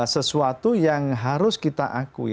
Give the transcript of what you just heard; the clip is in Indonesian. sesuatu yang harus kita akui